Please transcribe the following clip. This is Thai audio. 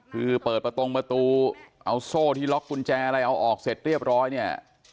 คือเปิดประตงประตูเอาโซ่ที่ล็อกกุญแจอะไรเอาออกเสร็จเรียบร้อยเนี่ย